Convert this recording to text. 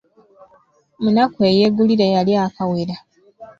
Munaku eyeegulira, yaalya akawera.